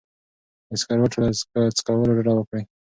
د سګرټو له څکولو ډډه وکړئ.